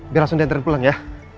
biar langsung diantar pulang ya